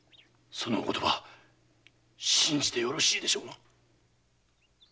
そのお言葉信じてよろしいでしょうな。